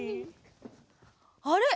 あれ？